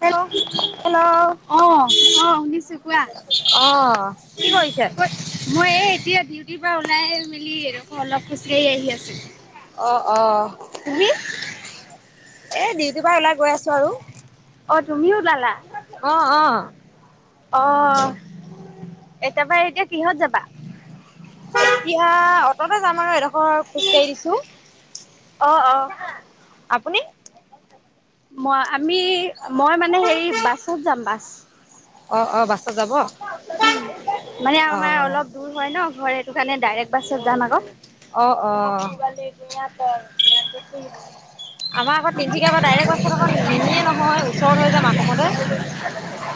Hello. Hello অ', অ' শুনিছোঁ কোৱা? অ কত মই এই এতিয়া ডিউটিৰপৰা ওলাই মেলিকৈ অলপ খোজকাঢ়ি আহি আছোঁ। অ', অ' এ, ডিউটোৰপা ওলাই গৈ আছো আৰু। অ' তুমিও ওলালা? অ অ অ' এতিাৰপা এতিয়া কিহত যাবা? এতিয়া অটতে যাম আৰু এডোখৰ খোজকাাঢ়ি দিছোঁ। অ', অ'। আপুনি? মই, আমি মই মানে হেৰি বাছত যাম বাছ। অ', অ' বাছ। উ, মানে আমাৰ অলপ দূৰ হয় ন' ঘৰে টো কাৰণে ডাইৰেক্ট বাছত যাম আকৌ। অ অ [unintelligible] আমাৰ আকৌ তিনিচুকীয়পৰা ডাইৰেক্ট বাছত আকৌ নিমিয়ে নহয়, ওচৰত হৈ যাম আকৌ মতে।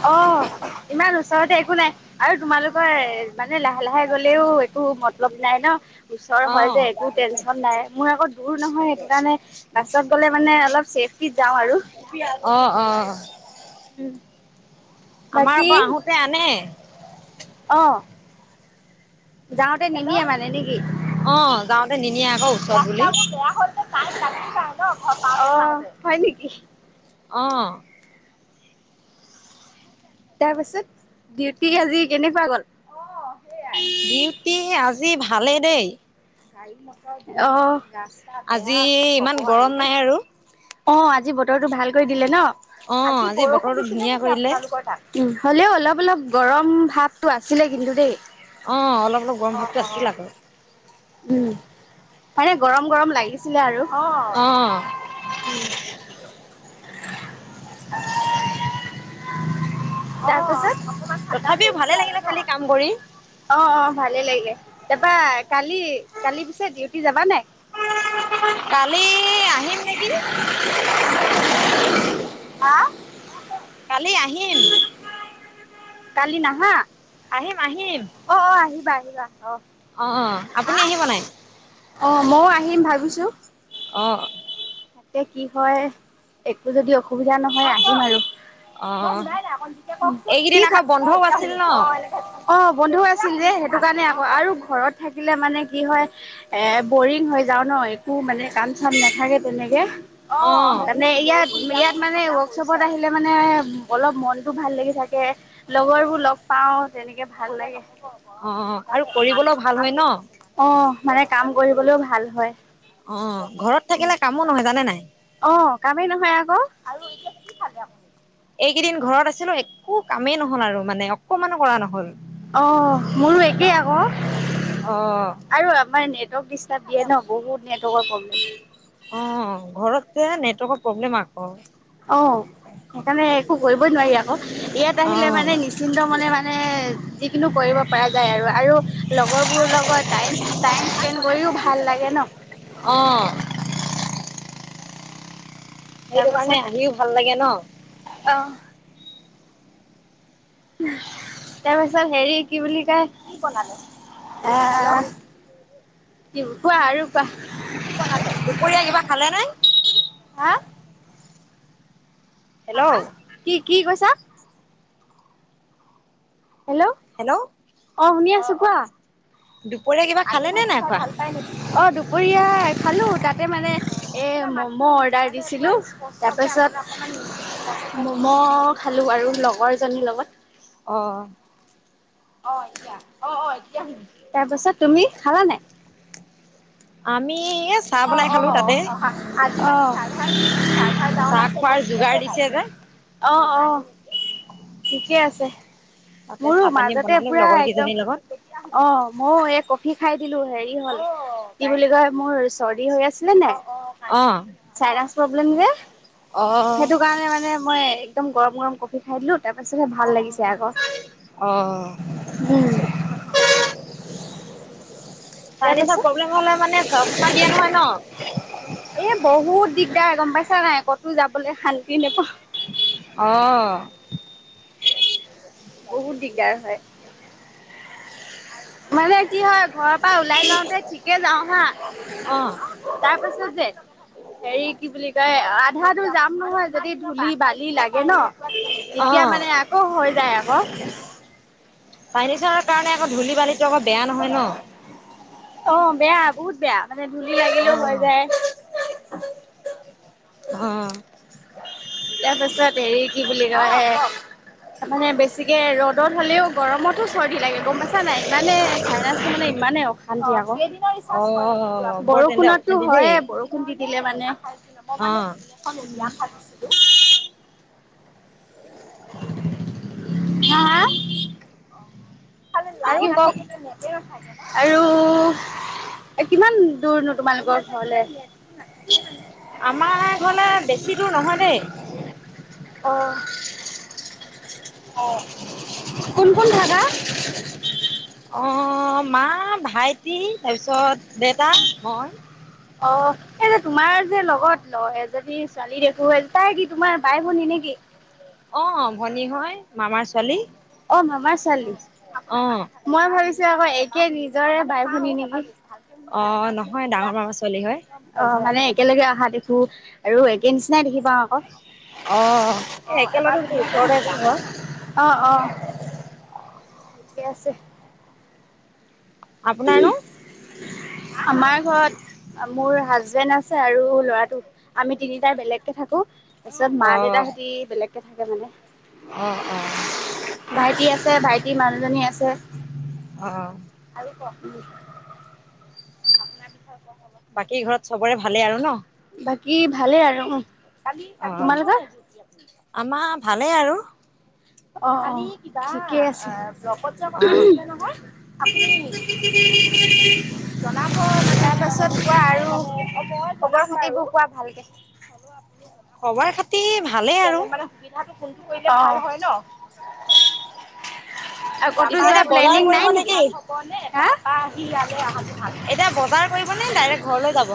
অ'। ইমান ওচৰতে একো নাই আৰু তোমালোকৰ এ, মানে লাহে লাহে গলেও একো মতলব নাই ন'? ওচৰ অ হয় যে একো টেনচন নাই, মোৰ আকৌ দূৰ নহয় সেইটো কাৰণে বাছত গ'লে মানে অলপ ছেফ অ', অ'। উম। আমাৰ বাকী আকৌ আহোঁতে আনে। অ'। যাওঁতে নিদিয়ে মানে নেকি? অ' যাওঁতে নিনিয়ে আকৌ ওচৰত বুলি। [unintelligible] অ' হয় নেকি? অ'। তাৰপাছত, ডিউটিক আজি কেনেকুৱা গ'ল? ডিউটি আজি ভালে দেই। গাড়ী মটৰ বেয়া, অ' ৰাস্তা আজি বেয়া কি ইমান ক'ব আৰু গৰম নাই আৰু দেহ। অ' আজি বতৰটো ভাল কৰি দিলে ন'? অ আজি বৰষুণ বতৰটো দিছিলে ধুনীয়া নেকি কৰিলে আপোনালোকৰ তাত? উ, হ'লেও অলপ অলপ গৰম ভাৱটো আছিলে কিন্তু দেই। অ' অলপ অলপ গৰম ভাৱটো আছিল আকৌ। উম, মানে গৰম গৰম লাগিছিলে আৰু। অ'। উম। তাৰপাছত? অকমান ঠাণ্ডা তথাপিও পৰিছে ভালে আৰু লাগিলে খালি ন'? কাম কৰি অ', অ' ভালেই লাগে। তাৰপা কালি, কালি পিছে ডিউটি যাবা নাই? কালি আহিম নেকি। হা? কালি আহিম। কালি নাহা? আহিম আহিম অ', অ' আহিবা, আহিবা। অ'। অ', অ'। আপুনি আহিব নাই? অ' ময়ো আহিম ভাবিছোঁ। অ'। তাতে কি হয় একো যদি অসুবিধা নহ মই আহিমবাৰু। অ ক'ক মই শুনাই নাই অকন জোকে কওঁকচোন কি এইকেইদিন খা আকৌ অ, বন্ধও এতিয়া আছিল ন শুনিছোঁ অ, এতিয়া অ বন্ধু আছিল যে সেইটো কাণে আক', আৰু ঘৰত থাকিলে মানে কি হয় এ বৰিং হৈ যাওঁ ন'একো মানে কাম চাম নাথাকে। তেনেকে অ, মানে ইয়াত ইয়াত মানে ৱৰ্কশ্বপত আহিলে মানে অলপ মনটো ভাল লাগি থাকে, লগৰ বোৰ লগ পাওঁ, তেনেকে ভাল লাগে। অ' আৰু কৰিবলৈ ভাল হয় ন? অ মানে কাম কৰিবলৈও ভাল হয়। অ'ঘৰত থাকিলে কামো নহয় জানে নাই? অ কামেই নহয় আকৌ, আৰু এতিয়া কি খালে আপুনি? এইকিদিন ঘৰত আছিলোঁ, একো কামেই নহ'ল আৰু মানে অকমানো কৰা নহ'ল। অ, মোৰো একে আকৌ, অ আৰু আব্বাৰ নেট ডিষ্টাব দিয়ে ন? বহুত নেট অ', ঘৰত যে নেটৱৰ্কৰ প্ৰব্লেম আকৌ অ। সেইকাৰণে একো কৰিবই নোৱাৰি আকৌ, ইয়াত আহিলে অ', মানে নিশ্চিন্ত মনে মানে যিকিনো কৰিব পাৰা যায় আৰু, আৰু লগৰ বোৰ লগত টাইম স্পে টাইম স্পেন কৰিও ভাল লাগে ন? অ'। সেইটো তাৰপাছত কাৰণে আহিও ভাল লাগে ন? অ', তাৰপিছত হেৰি কি বুলি কয় কি বনালে? আহ কি কোৱা আৰু কোৱা। দুপৰীয়া কিবা খালেনে? হা হা হেল্ল', কি কি কৈছা হেল্লো' হেল্লো' অ শুনি আছো কোৱা কিবা আজি খালে নে খালটো নাই চাই খোৱা? ভাল পায় নেকি অ দুপৰীয়া খালো তাতে মানে এ মম' অৰ্ডাৰ দিছিলো তাৰ পিছত মম' খালো আৰু লগৰজনীৰ লগত অঁ অ অ তাৰপাছত তুমি খালা নাই আমি এই চাহ অ বনাই অ খালো অ তাতে। চাহ খোৱাৰ যোগাৰ দিছে যে অ [unintelligible] অ অ ঠিকে আছে তাতে মোৰো চাহ পানী মাজতে বনালো পুৰা লগৰ কেইজনীৰ লগত। একদমতিয়া অ মই এক কফি খাই দিলো হেৰি হ'ল কি বুলি কয় মোৰ চৰ্দি হৈ আছিলে নে অহ সেইটো কাৰণে মানে মই একদম গৰম গৰম কফি খাই দিলো তাৰ পিছতহে ভাল লাগিছে আকৌ অ', উম চাইনিজৰ তাৰপাছত প্ৰব্লেম হলে মানে চশমা দিয়া নহয় ন এ বহুত দিগদাৰ গম পাইছা নাই ক'তো যাবলৈ শান্তি নেপাও অহ বহুত দিগদাৰ হয় মানে কি হয় ঘৰৰ পৰা ওলাই যাওঁতে ঠিকে যাওঁ হা অ', তাৰ পাছত যে হেৰি কি বুলি কয় আধা দূৰ যাম নহয় যদি ধূলি বালি লাগে ন তেতিয়া অ', মানে আকৌ হৈ যায় আকৌ পান নিচনৰ কাৰণে আকৌ ধূলি বালীটো আকৌ বেয়া নহয় ন অ বেয়া বহুত বেয়া মানে ধুলি লাগিলেও হৈ অ', যায় অহ তাৰ পাছত হেৰি কি বুলি কয় হে তাৰমানে বেছিকে ৰ'দত হ'লেও গৰমতো চৰ্দি লাগে গম পাইছা নাই, ইমানে চাইনাচটো মানে ইমানে, অশান্তি অ', বৰ তেন্তে বৰষুণতো অশান্তি দেই হয়ে, বৰষুণ দি দিলে অ', মানেই [unintelligible] হা, হা? [unintelligible] আৰু কওক আৰু কিমান দূৰ নো তোমালোকৰ ঘৰলে? আমাৰ ঘৰলে, বেছি দূৰ নহয়, দেই। অ', কোন কোন থাকা? অ মা, ভাইটি, তাৰপিছত দেউতা, মই। অ' এই যে, তোমাৰ যে লগত এজনী ছোৱালী দেখোঁ, তাই কি তোমাৰ বাই-ভনী নেকি? অ', ভনী হয়, মামাৰ ছোৱালী। অ', মামাৰ ছোৱালী, অ', মই ভাবিছো আকৌ একেই নিজৰে বাই-ভনি নেকি। অ', নহয় হয় ডাঙৰ মামাৰ ছোৱালী হয় [unintelligible] একেলগে অহা দেখো, আৰু একে নিচিনাই দেখি পাওঁ আকৌ। অ', এই একেলগতে ওচৰতে যে ঘৰ [unintelligible] অ অ। ঠিকে আছে। আপোনাৰ ন আমাৰ ঘৰত মোৰ হাজবেণ্ড আছে আৰু ল'ৰাটো আমি তিনিটাই বেলেগকে থাকো। তাৰপিছত অ', মা-দেউতাহঁতি বেলেগকে থাকে মানে। অ অ। ভাইটি আছে, ভাইটিৰ মানুহজনী আছে অ', আৰু [unintelligible] বাকী ঘৰত চবৰে ভালেই আৰু ন? বাকী ভালেই আৰু। অ', তোমালোকৰ? আমাৰ ভালেই আৰু। অ অ ঠিকে আছে। লগত যোৱাৰ কথা অ', নে নহয়, আপুনি জনাব ত পাছত কোৱা আৰু খবৰ-খাতিৰবোৰ কোৱা ভালকে। খবাৰ-খাতি ভালেই আৰু। হয় ন। কতো পিছে এতিয়া যোৱাৰ বজাৰ প্লেনিং কৰিব নাই নেকি? [unintelligible] থাকিবনে ডাইৰেক ঘৰলৈ যাব।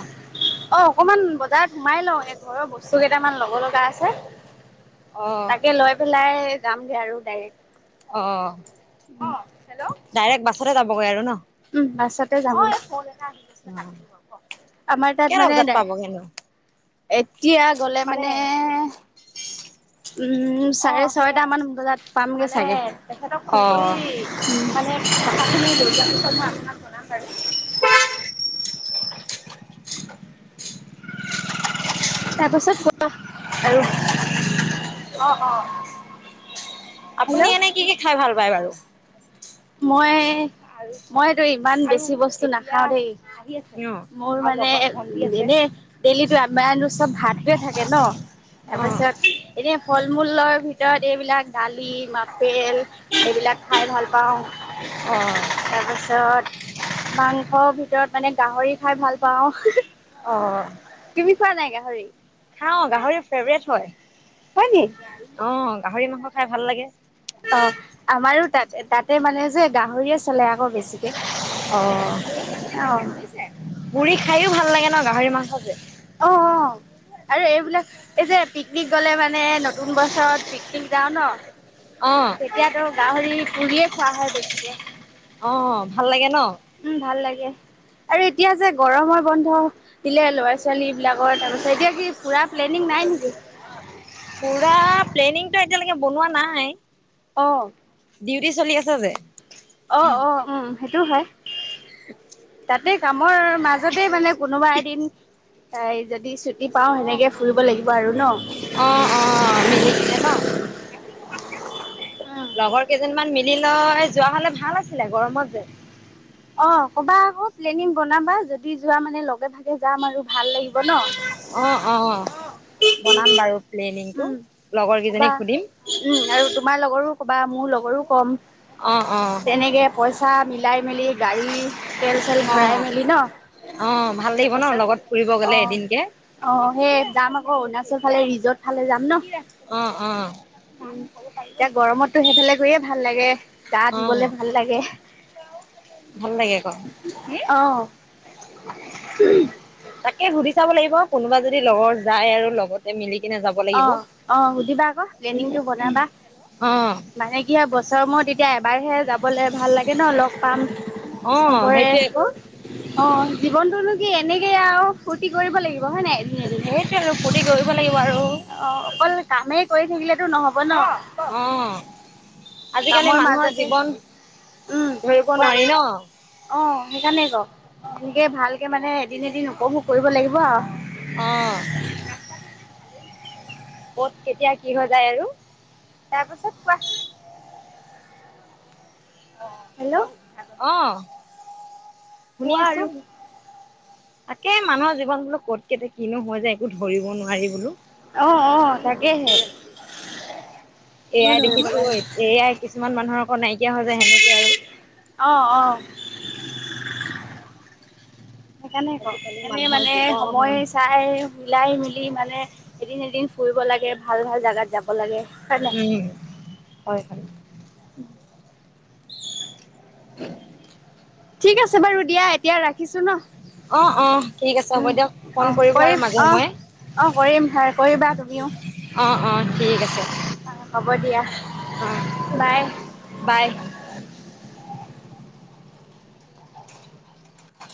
অ অকমান বজাৰত সোমাই লওঁ, এই ঘৰৰ বস্তু কেইটামান ল'ব লগা আছে। অ', তাকে লৈ পেলাই যামগে আৰু ডাইৰেক্ট। অ ডাইৰেক্ট বাছতে যাবগৈ আৰু ন। উম বাছতে যাম। অ', আমাৰ তাত কেইটা মানে বজাত নাই। পাবগৈনো? এতিয়া গ'লে মানে উম চাৰে ছয়টামান বজাত পামগে চাগে। তেখেতক ফোন কৰি অ', মানে [unintelligible] লৈ [unintelligible] [inaudible] তাৰপাছত কোৱা আৰু, অ অ। আপুনি এনে কি কি খাই ভাল পায় বাৰু? মই মইটো ইমান বেছি বস্তু নাখাও দেই। অ', [unintelligible] মোৰ মানে ডেইলি আমাৰ চব ভাতোৱে থাকে ন। তাৰ অ', পিছত এনে ফল-মূল লৈ ভিতৰত ভিতৰত এইবিলাক দালি, আপেল এইবিলাক ও তাৰপিছত অ', মাংস ভিতৰত মানে গাহৰি খাই ভাল পাও অ', তুমি চোৱা নাই গাহৰি অ', গাহৰি ফেভট হয় হয় নি? অ গাহৰি মাংস খাই ভাল লাগে অ', আমাৰো তাতে তাতে মানে যে গাহৰিয়ে চলে আকৌ বেছি অ', অ পুৰি খাইও ভাল লাগে ন গাহৰি মাংস যে অ', ৰু এইবিলাক এই যে পিকনিক গ'লে মানে নতুন বছৰত পিকনিক যাওঁ ন অ', তেতিয়াতো গাহৰি পুৰিয়ে খোৱা হয় বেছিকে অ', ভাল লাগে ন এয়, আৰু এতিয়া যে গৰমৰ বন্ধ দিলে ল'ৰা ছোৱালী বিলাকৰ তাৰ পিছত এতিয়া কি ফুৰা প্লেনিং নাই নেকি? পুৰা প্লেনিংটো এতিয়ালৈকে বনোৱা নাই আহ, ডিউটি চলি আছে যে অ', উম সেইটো হয় [inaudible] গোটেই কামৰ মাজতে মানে কোনোবা এদিন এ যদি ছুটি পাও সেনেকে ফুৰিব লাগিব আৰু ন অ', মিলি কিনে ন উম লগৰ কেইজনমান মিলি লয় যোৱা হলে ভাল আছিলে গৰমত যে অ', বা আকৌ প্লেনিং বনাবা যদি যোৱা মানে লগে ভাগে যাম আৰু ভাল লাগিব ন অ', অ', বনাম বাৰু প্লেনিংটো উম লগৰ কেইজনীক সুধিম ক বা মোৰ লগৰো কম অ', চা মিলাই মেলি গাড়ী তেল চেল অ ভৰাই মেলি ন অ ভাল লাগিব ন লগত ফুৰিব তাৰপাছত গ'লে এদিনকে অ', সেই যাম আকৌ অৰুণাচল পিছফালে ৰিজৰ্ট ফালে যাম ন অ', এতিয়া গৰমতো সেইফালে গৈয়ে ভাল লাগে গা অ ধুবলে ভাল লাগে ভাল লাগে আকৌ অ', তাকে সুধি চাব লাগিব কোনোবা যদি লগৰ যায় আৰু লগতে মিলি কিনে যাব লাগিব অ', সুধিবা আকৌ প্নিং টো বনাবা অ মানে কি বছৰ মূৰত এতিয়া এবাৰহে যাবলে ভাল লাগে ন লগ পাম অ চবৰে সেইটোৱে আকৌ অ', জীৱনতনো কি এনেকে আৰু ফূৰ্তি কৰিব লাগিব হয়ে নাই এদিন সেইটোৱে আৰু ফূৰ্তি কৰিব এদিন লাগিব আৰু অ', অকল কামেই কৰি থাকিলেতো নহব ন অ আজিকালি কামৰ মানুহৰ মাজতে জীৱন উম ধৰিব কোৱা নোৱাৰি ন অ', সেইকাৰণে ক এনেকে ভালকে মানে এদিন এদিন উপভোগ কৰিব লাগিব আৰু অ', ক, ত কেতিয়া কি হৈ যায় আৰু তাৰপিছত কুৱা? অ', হেল্ল' অ', শুনি কোৱা আছো আৰু তাকে মানুহৰ জীৱন বোলো ক'ত কেনে কিনো হয় যে একো ধৰিব নোৱাৰি বোলো অ অ তাকেহে কোনো এয়াই ধৰিব দেখিছো এয়াই কিছুমান মানুহৰ অন নাইকিয়া হৈ যায় সেনেকৈ আৰু অ', সেইকাৰণে কৰ আজিকালি সনে মানুহৰ মানে জীৱন সময় চাই মিলাই মিলি। মানে এদিন এদিন ফুৰিব লাগে ভাল ভাল জাগাত যাব লাগে। হয় নাই উম, হয়, হয়। [unintelligible] ঠিক আছে বাৰু দিয়া এতিয়া ৰাখিছো ন। অ' অ' ঠিক আছে হ'ব উম দিয়ক ফোন অ কৰিব আৰু কৰিম মাজে অ সময়ে। অ' কৰিম ভাই কৰিবা তুমিও। অ অ' ঠিক আছে। অ' হ'ব দিয়া অ বাই। বাই